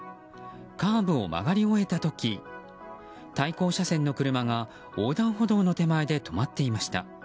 カーブを曲がり終えた時対向車線の車が横断歩道の手前で止まっていました。